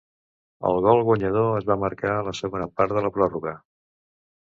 El gol guanyador es va marcar a la segona part de la pròrroga.